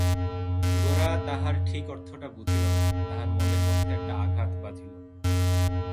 গোরা তাহার ঠিক অর্থটা বুঝিল না, তাহার মনের মধ্যে একটা আঘাত বাজিল।